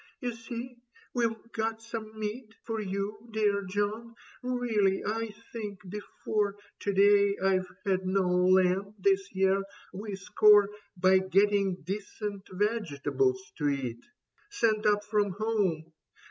" You see we've got some meat For you, dear John. Really, I think before To day I've had no lamb this year. We score By getting decent vegetables to eat. Sent up from home.